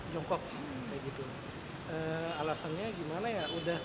yang nyaman itu ya yang duduk